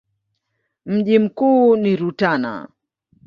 Mji mkuu ni Rutana.